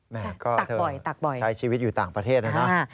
ตักบ่อยนะครับใช้ชีวิตอยู่ต่างประเทศนะ